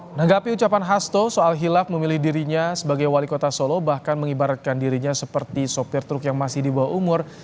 menanggapi ucapan hasto soal hilaf memilih dirinya sebagai wali kota solo bahkan mengibaratkan dirinya seperti sopir truk yang masih di bawah umur